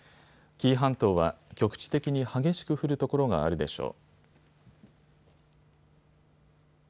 紀伊半島は局地的に激しく降る所があるでしょう。